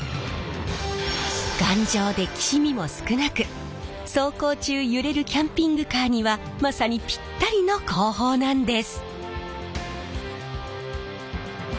頑丈できしみも少なく走行中揺れるキャンピングカーにはまさにピッタリの工法なんです。